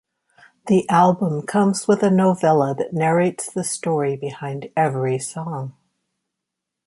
The album comes with a novella that narrates the story behind every song.